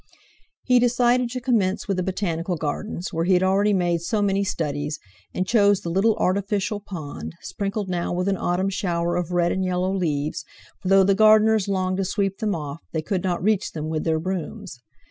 He decided to commence with the Botanical Gardens, where he had already made so many studies, and chose the little artificial pond, sprinkled now with an autumn shower of red and yellow leaves, for though the gardeners longed to sweep them off, they could not reach them with their brooms.